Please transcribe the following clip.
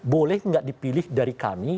boleh nggak dipilih dari kami